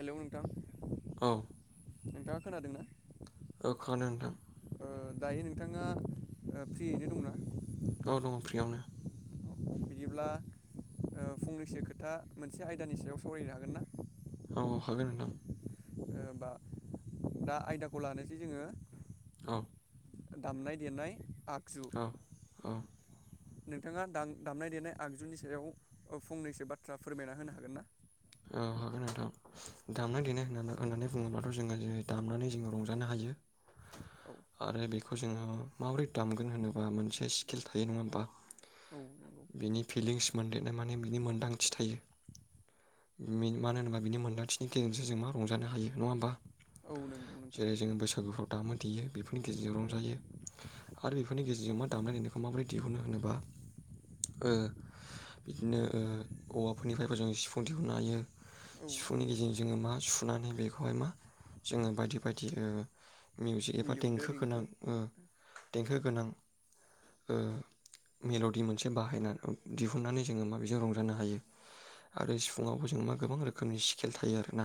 हेल' नोंथां औ नोंथाङा खोनादोंना?? आखानो द ओ दायो नोंथाङा फ्रियैनो दंना? औ दङ फ्रियावनो। बिदिब्ला ओ फंनैसो खोथा मोनसे आयदानि सायाव सावरायनो हागोन ना? औ हागोन नोंथां ओ बा दा आयदाखौ लानोसै जोङो औ दामनाय देनाय आ औ औ नोंथाङा दाम दामनाय देनाय आगजुनि सायाव फंनैसो बाथ्रा फोरमायना होनो हागोन ना? ओ हागोन नोंथां, दामनाय देनाय होन होननानै बुङोब्लाथ' जोङो ज दामनानै जोंङो रंजानो हायो औ आरो बेखौ जोङो माबोरै दामगोन होनोबा मोनसे स्किल थायो नङा होमबा औ नंगौ नोंथां बिनि फिलिंस मोनदेरनाय माने बिनि मोनदांथि थायो मिन मानो होनोबा बिनि मोनदांथिनि गेजेरजोंस जों मा रंजानो हायो नङा हबा औ नंगौ नोंग दामोन देयो बेफोरनि गेजेरजों रंजायो आरो बेफोरनि गेजेरजों मा दामनाय देनायखौ माबोरै दिहुनो होनोबा ओ बिदिनो औवाफोरनिफ्रायबो जों सिफुं दिह सुनायायो औ सिफुंनि नंगौ गेजेरजों नोंथां जोङो मा सुनानै बेखौहाय मा जोङो बायदि बायदि ओ मिउजिक एबा देंखो गोनां ओम देंखो गोनां ओ मेल'डि मोनसे बाहायनानै दिहुनन्नानै जोङो माबजों रंजानो हायो आरो सिफुं फुङावबो जों मा गोबां रोखोमनि स्केल थायो आर ना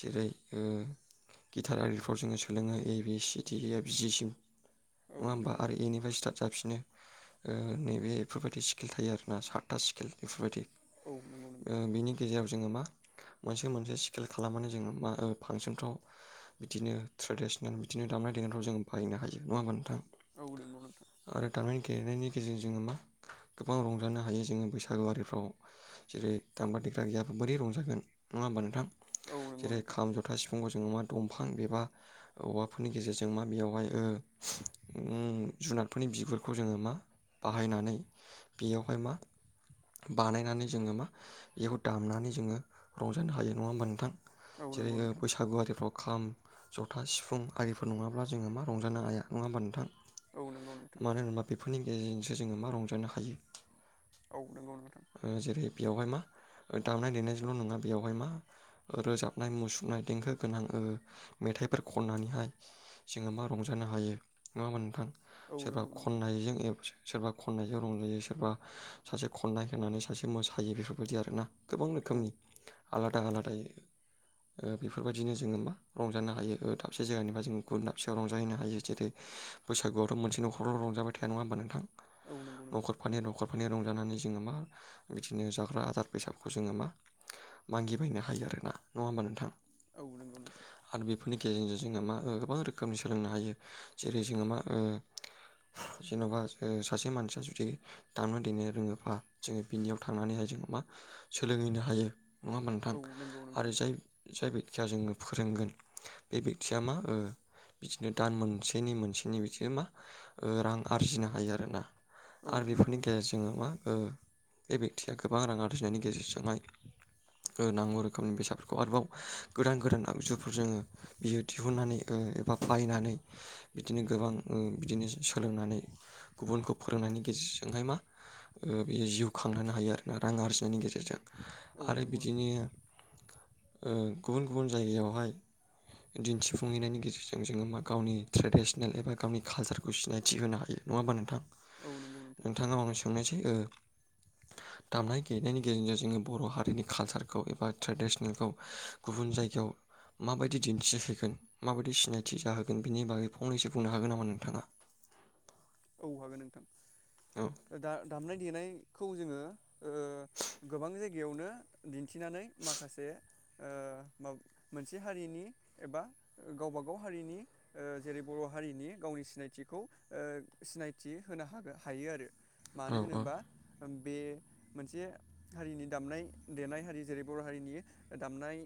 जेरै ओम गिटार आरिफ्राव जोङो सोलोङो ए बि सि ड ए बि जि सिम औ नङा होमबा नंगौ आरो नोंथां एनिफ्राय स्टार्ट जाफिनो ओ नैबे बेफोरबायदि स्किल थायो आरोना सातथा स्किल बेफोरबायदि औ नंगौ ओ नोंथां बिनि जेराव जोङो मा मोनसे मोनसे स्केल खालामनानै जेराव जोङो मा मोनसे मोनसे स्खिल फांसनफ बिदिनो ट्रेडिसनेल बिदिनो दामनाय देनायफ्राव जोंो बायनो हायो, नङा होमबा नोंथां? औ नंगौ नोंथां आरो दामनाय देनायनि गेजेर जोङो मा गोबां रंजानो हायो जोङो बैसागुआिफ्राव जेरै दामग्रा देग्लाय गोयाबा बोरै रंजागोन नङा होमबा नोंथां औ नंगौ जेरै नोंथां खाम जथा सिफुंखौ जोङो मा दंफां एबा औवाफोरनि गेजेरजों मा बेयावहाय ओ ओम जुनारफोरनि बिगुरखौ जोङो मा बाहायनानै बेयावहाय मा बानायनानै जोङो मा बेखौ दामनानै जोङो रंजानो हायो नङा होमबा नोंथां औ नंगौ जेरै नोंथां बैसागुआिफ्राव खाम जथा सिफुं आरिफोर नङाब्ला जोङो मा रंजानो हाया, नङा होमबा नोंथां? औ नंगौ नोंथां मानो होनबा बेफोरनि गेजेरजोंङो जोङो मा रंजानो हायो। औ नोंगौ नथां। ओ जेरै बेयावहाय मा ओ दामनाय देनायजोंल' नङा बेयावहाय मा रोजाबनाय मुसुरनाय देंखो गोनां ओ मेथाइफोर खननानैहाय जोङो मा रंजानो हायो नङा होबा नोंथां। औ सोरबा नंगौ नोंथां खननायजों ए सोरबा खननायजों रंजायो सोरबा सासे खननाय होनानै सासे मोसायो बेफोर बायदि आरो ना। गोबां औ रोखोमनि। आलादा आलादायै ओ बेफोरबायदिनो जोङो मा रंजानो हायो। ओ दाबसे जायगानिफ्राय जों गुबुन दाबसेयाव रंजाहैनो हायो जेरै बैसागुआवथ' मोनसे नखराव रंजाबाय थाया नङा होमबा नोंथां। औ नंगौ नोंथां न'खरफानि न'खर फायनो रंजानानै जोङो मा बिदिनो जाग्रा दार बैसागुखौ जोङो मा मागिबायनो हायो आरोना नङा होमबा नोंथां। औ नंगौ नोंथां। बेनि गेजेरजों जोङो मा ओ गोबां रोखोमनि सोलोंनो हायो जेरै- जोङो मा ओ हो जेन'बा सासे मानसिया जुदि दामना देनो रोङोबा जोङो बिनियाव थांनानैहाय जोङो मा सोलोंहैनो हायो। नङा होमबा नोंथां औ नंगौ नोंथां आरो जाय-जाय बेक जाजोंनो फोरोंगोन बे बेखथिया मा ओ बिदिनो दान मोनसेनि मोनसेनि बिथिया मा ओ रां आरजिनो हायो आरोना। औ आरो नंगौ बेफोरनि नोंथां गेजेरजों मा ओ बे बेक्थिया गोबां राङा जिनायनि गेजेरजोंहाय ओ नांगौ रोखोमनि बेसादफोरखौ आरोबाव गोदान गोदान आगजुफोर जोङो बियो दिहुननानै ओ एबा बायनानै बिदिनो गोबां ओ बिदिनो सोलोंनानै गुबुनखौ फोरोंनायनि गेजेरजोंहाय मा ओ बियो जिउ खांहोनो हायो आरोना रां आरजि नायनि गेजेरजों। औ आरो नंगौ नोंथां बिदिनो ओ गुबुन गुबुन जायगायावहाय दिन्थिफुंहैनायनि गेजेरजों जोङो मा गावनि ट्रेडिसनेल एबा गावनि कालसारखौ सिनायथि होनो हायो नङाहोनबा नोंथां। औ नंगौ नोंथां नोंथाङा माबा मोनसे सोंनायसै ओ दामनाय।। देनायनि गेजेरजों जोङो बर' हारिनि कालसारखौ एबा ट्रेडिस्नेलखौ गुबुन जायगायाव माबायदि दिन्थिहोगोन माबायदि सिनायथि जाहोगोन बेनि बागै फंनैसो बुंनो हागोन नामा नोंथाङा? औ हागोन औ नोंथां। दा दामनाय देनायखौ जोङो ओ गोबां जायगायावनो दिन्थिनानै माखासे ओ माव मोनसे हारिनि एबा गावबा गाव हारिनि ओ जेरै- बर' हारिनि गावनि सिनायथिखौ ओ सिनायथि होनो हागो-हायो आरो। औ मानो औ होनोबा ओम बे मोनसे हारिनि दामनाय देनाय हारि जेरै बर' हारिनि दामनाय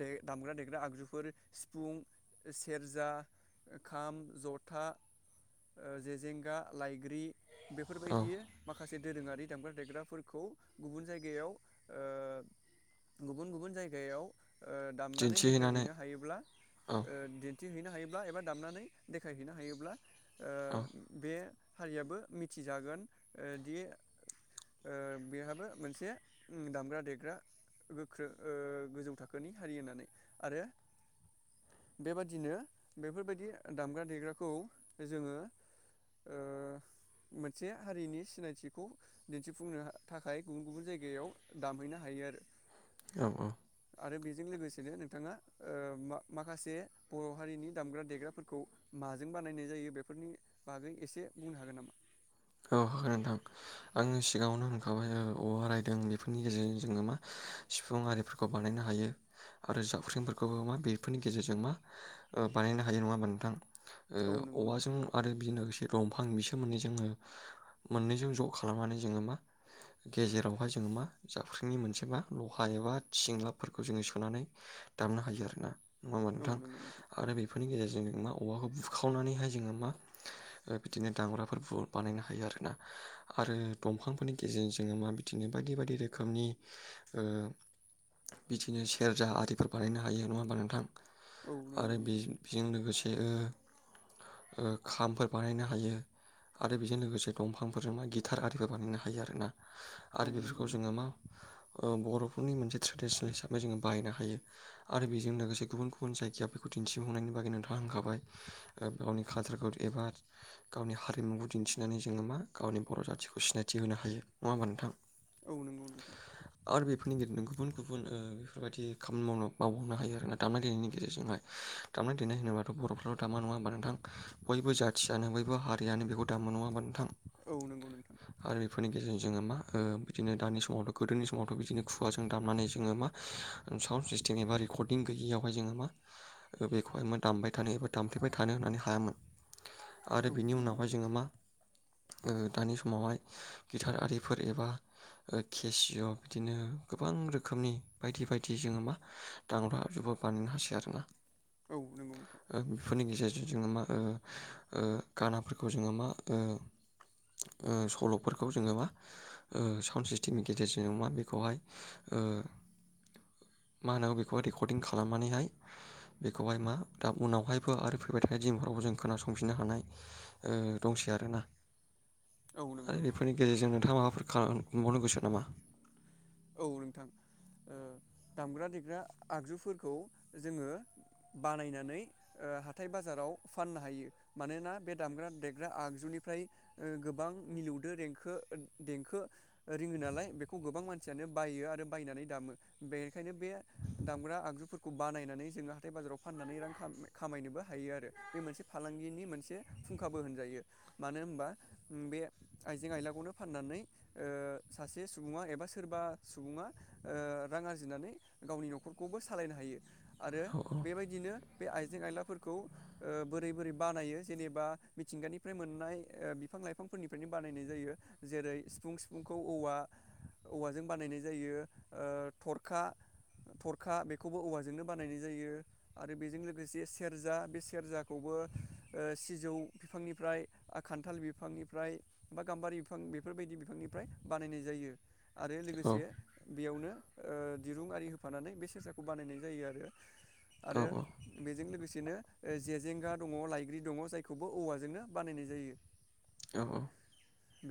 दे दामग्रा देग्रा आगजुफोर सिफुं सेरजा खाम जथा ओ जेेजेंगा लाइग्रि। औ बेफोरबायदियो माखा माखासे दोरोङारि दामग्रा देग्राफोरखौ गुबुन जायगायाव ओ गुबुन-गुबुन जायगायाव ओ दामनानै दिन्थिहैनानै देखायहैनो हायोब्ला औ ओ दि दिन्थि हैैनो हायोब्ला एबा दामनानै देखायहैनो हायोब्ला औ ओ बे हारियाबो मिथिजागोन ओ दि ओ बेहाबो मोनसे उम दामग्रा देग्रा गोख्रो ओ गोजौ थाखोनि हारि होननानै। आरो बेबादिनो बेफोरबायदि दामग्रा देग्राखौ जोङो ओ मोनसे हारिनि सिनायथिखौ दिन्थिफुंनो थाखाय गुबुन गुबुन जायगायाव दामहैनो हायो आरो। औ-औ। आरो बेजों लोगोसेनो नोंथाङा ओ मा-माखासे बर' हारिनि दामग्रा देग्राफोरखौ माजों बानायनाय जायो बेफोरनि बागै एसे बुंनो हागोन नामा? औ हागोन नोंथां आं सिगाङावनो बुंखाबाय औवा रायदों बेफोरनि गेजेरजों जोङो मा सिफुं आरिफोरखौ बानायनो हायो आरो जाबख्रिंफोरखौबो मा बेफोरनि गेजेरजों मा ओ बानायनो हायो नङा होमबा नोंथां? ओ औ नंगौ नोंथां औवाजों आरो बेजों लोगोसे दंफां बिस सोमोन्दै जोङो मोननैजों ज' खालामनानै जोङो मा गेजेरावहाय जोङो मा जाबख्रिनि मोनसे मा लहा एबा थिंलाबफोरखौ जोङो सोनानै दामनो हायो आरोना। नङा होमबा औ नोंथां नंगौ आरो बेफोरनि गेजेरजों नों माव औवाखौ बुखावनानैहाय जोङो मा बिदिनो दाम्राफोरखौ बानायनो हायो आरोना आरो दंफांफोरनि गेजेरजों जोङो मा बिदिनो बायदि बायदि रोखोमनि ओ बिदिनो सेरजा आरिफोर बानायनो हायो नङा होमबा नोंथां? औ नंगौ आरो बे नोंथां बेजों लोगोसे ओ ओ खामफोर बानायनो हायो। आरो बेजों लोगोसे दंफांफोरजों मा गिटार आरिबो बानायनो हायो आरोना। औ आरो नंगौ बेफोरखौ जोङो नोंथां मा ओ बर' फोरनि मोनसे ट्रेडिसन हिसाबै जोङो बायनो हायो आरो बेजों लोगोसे गुबुन गुबुन जायगाया बेखौ दिन्थिफुंनायनि बागै नोंथाङा हांखाबाय गावनि काल्चारखौ एबा गावनि हारिमुखौ दिन्थिनानै जोङो मा गावनि बर' जाथिखौ सिनायथि होनो हायो नङा होमबा नोंथां? औ नंगौ नोंथां आरो बेफोरनि गेजेरजों गुबुन गुबुन गुबुन ओ बेफोरबायदि खामानि मावनो मावहावनो हायो आरोना दामनाय देनायनि गेजेरजोंहाय दामनाय देनाय होनोबाथ' बर'फ्राल' दामा नङा होमबा नोंथां बयबो जाथियानो बयबो हारियानो बेखौ दामो नङा होमबा नोंथां? औ नंगौ नोंथां। आरो बेफोरनि गेजेरजों जोङो मा बिदिनो दानि समावथ' गोदोनि समावथ' बिदिनो खुगाजों दामनानै जोङो मा साउन्ड सिस्टेम एबा रेकर्डदिं गैयियावहाय जोङो मा बेखौहाय मा दामबाय थानो एबा दामफेबाय थानो होननानै हायामोन। आरो औ बिनि नंगौ उनावहाय नोंथां जोङो मा ओ दानि समावहाय गिटार आरिफोर एबा ओ केसिय' बिदिनो गोबां रोखोमनि बायदि बायदि जोङो मा दाम्रा जुब्रा बानायनो हासो आरोना। औ नंगौ नोंथां ओ बेफोरनि गेजेरजों जोङो मा ओ ओ गानाफोरखौ जोङो मा ओ ओ सल'फोरखौ जोङो मा ओ साउन्ड सिस्टेमनि गेजेरजों ओ मा बेखौहाय मा होनो बेखौहाय रेकर्डदिं खालामनानैहाय बेखौहाय मा दा उनावहायबो आरो फैबाय थानाय दिमफोरावबो जों खोनासंफिननो हानाय ओ दंसै आरोना। औ नंगौ आरो नोंथां बेफोरनि गेजेरजों नोंथाङां माबाफोर खालामबावनो गोसो नामा? औ नोंथां ओ दामग्रा देग्रा आगजुफोरखौ जोङो बानायनानै ओ हाथाइ बाजाराव फाननो हायो मानोना बे दामग्रा देग्रा आगजुनिफ्राय ओ गोबां मिलौदो देंखो देंखो रिङो नालाय बेखौ गोबां मानसि सियानो बायो आरो बायनानै दामो बेनिखायनो बे दामग्रा आगजुफोरखौ बानायनानै जोङो हाथाइ बाजाराव फाननानै रां खामायनोबो हायो आरो बे मोनसे फालांगिनि मोनसे फुंखाबो होनजायो मानो होनबा बे आइजें आइलाखौनो फाननानै ओ सासे सुबुङा एबा सोरबा सुबुङा ओ रां आरजिनानै गावनि न'खरखौबो सालायनो हायो। आरो औ बेबायदिनो बे आइजें आइलाफोरखौ ओ बोरै बोरै बानायो जेनेबा मिथिंगानिफ्राय मोननाय ओ बिफां लाइफांफोरनिफ्रायनो बानायनाय जायो जेरै सिफुं सिफुंखौ औवा औवाजों बानायनाय जायो ओ थरखा थरखा बेखौबो औवाजोंनो बानायनाय जायो आरो बेजों लोगोसे सेरजा बे सेरजाखौबो ओ सिजौ बिफांनिफ्राय खान्थाल बिफांनिफ्राय बा गाम्बारि बिफां बेफोर बायदि बिफांनिफ्राय बानायनाय जायो। आरो औ लोगोसे बेयावनो ओ दिरुं आरि होफानानै बे सेरजाखौ बानायनाय जायो आरो। औ आरो बेजों लोगोसेनो ओ जेेजेंगा दङ लाइग्रि दङ जायखौबो औवाजोंनो बानायनाय जायो। औ औ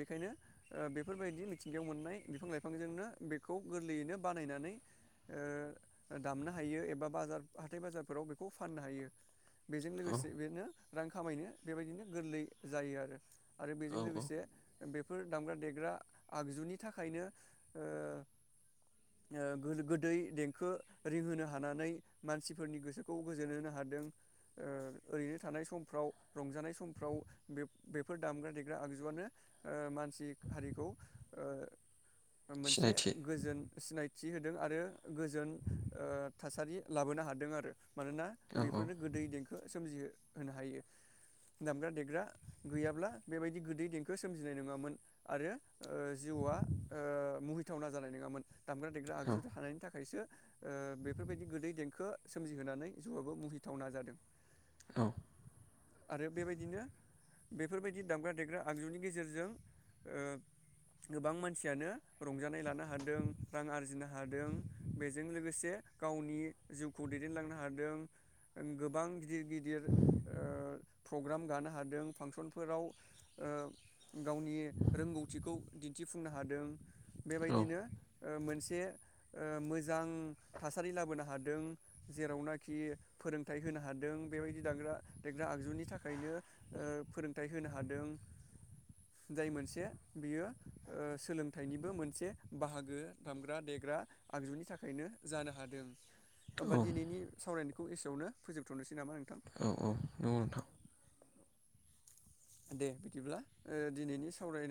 बेखायनो ओ बेफोरबायदि मिथिंगायाव मोननाय बिफां लाइफांजोंनो बेखौ गोरलैयैनो बानायनानै ओ दामनो हायो एबा बाजार हाथाय बाजारफोराव बेखौ फाननो हायो बेजों औ लोगोसे बेनो रां खामायनो बेबायदिनो गोरलै जायो आरो। आरो औ बेजों औ लोगोसे बेफोर दामग्रा देग्रा आगजुनि थाख खायायनो ओ गो-गोदै देंखो रिंहोनो हानानै मानसिफोरनि गोसोखौ गोजोन होनो हादों ओ ओरैनो थानाय समफ्राव रंजानाय समफ्राव बे बेफोर दामग्रा देग्रा आगजुआनो ओ मानसि हारिखौ ओ मोनसे सिनायथि गोजोन सिनाय थि होदों आरो गोजोन ओ थासारि लाबोनो हादों आरो। मानोना औ औ बेफोरनो गोदै देंखो सोमजिहो होनो हायो दामग्रा देग्रा गैयाब्ला बेबायदि गोदै देंखो सोमजिनाय नङामोन आरो ओ जिउआ ओ मुहिथावना जानाय नोङामोन। दामग्रा देग्रा औ आगजु थानायनि थाखायसो ओ बेफोरबायदि गोदै देंखो सोमजिहोनानै जौआबो मुहिथावना जादों। औ आरो बेबायदिनो बेफोरबायदि दामग्रा देग्रा आगजुनि गेजेरजों ओ गोबां मान सियानो रंजानाय लानो हादों रां आरजिनो हादों बेजों लोगोसे गावनि जिउखौ दैदेनलांनो हादों गोबां गिदिर गिदिर ओ प्रग्राम गानो हादों फानसनफोराव ओ गावनि रोंगौथिखौ दिन्थिफ फुंनो हादों। औ बेबायदिनो ओ मोनस से मोजां थासारि लाबोनो हादों जेरावनाखि फोरोंथाइ होनो हादों बेबायदि दाग्रा देग्रा आगजुनि थाखायनो ओ फोरोंथाइ होनो हादों जाय मोनसे बियो ओ सोलोंथाइनिबो मोनसे बाहागो दामग्रा देग्रा आगजुनि थाखायनो जानो हादों। होमबा औ दिनैनि सावरायनायखौ एसेयावनो फोजोबथ'नोसै नामा नोंथां। औ औ नोंगौ नोंथां। दे बिदिब्ला ओ दिनैनि सावरायनाय